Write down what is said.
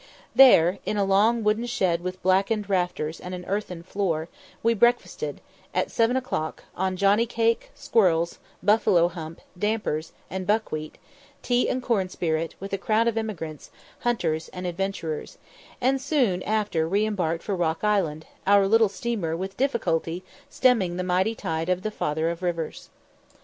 There, in a long wooden shed with blackened rafters and an earthen floor, we breakfasted, at seven o'clock, on johnny cake, squirrels, buffalo hump, dampers, and buckwheat, tea and corn spirit, with a crowd of emigrants, hunters, and adventurers; and soon after re embarked for Rock Island, our little steamer with difficulty stemming the mighty tide of the Father of Rivers.